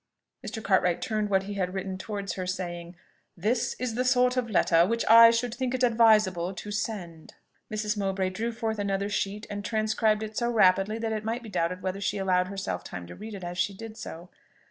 Mr. Cartwright turned what he had written towards her, saying, "This is the sort of letter which I should think it advisable to send." Mrs. Mowbray drew forth another sheet, and transcribed it so rapidly that it might be doubted whether she allowed herself time to read it as she did so.